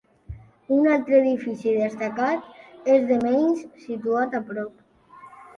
Un altre edifici destacat és The Manse, situat a prop.